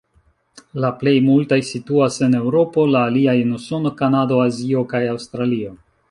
La plej multaj situas en Eŭropo, la aliaj en Usono, Kanado, Azio kaj Aŭstralio.